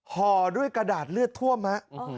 ห่อด้วยกระดาษเลือดท่วมฮะ